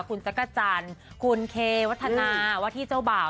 คุณชักกะจันคุณเควัฒนาวัฒนาวัทธิเจ้าบ่าว